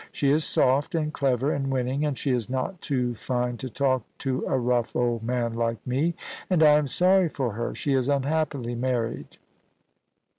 She is soft and clever and winning, and she is not too fine to talk to a rough old man like me. And I am sorry for her. She is unhappily married.